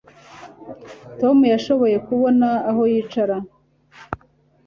Tom yashoboye kubona aho yicara